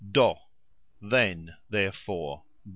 do : then, therefore.